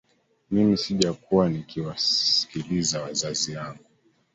Mimi sijakuwa nikiwasikiliza wazazi wangu